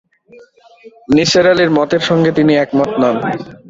নিসার আলির মতের সঙ্গে তিনি একমত নন।